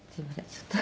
ちょっと。